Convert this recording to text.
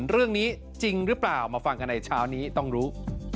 เรื่องนี้จริงหรือเปล่ามาฟังกันในเช้านี้ต้องรู้